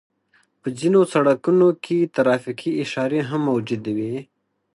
په ځينو سړکونو کې ترافيکي اشارې هم موجودې وي.